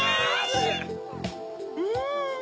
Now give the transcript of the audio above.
うん！